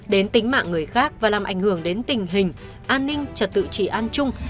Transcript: đến tính mạng người khác và làm ảnh hưởng đến tình hình an ninh trật tự trị an chung